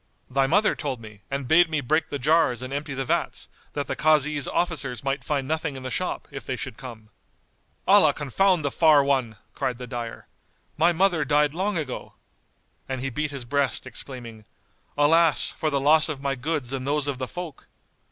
"Thy mother told me, and bade me break the jars and empty the vats, that the Kazi's officers might find nothing in the shop, if they should come." "Allah confound the far One!"[FN#197] cried the dyer; "My mother died long ago." And he beat his breast, exclaiming, "Alas, for the loss of my goods and those of the folk!"